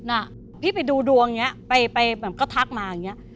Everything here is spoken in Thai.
น่ะพี่ไปดูดวงอย่างนี้ไปแบบก็ทักมาอย่างเงี้ย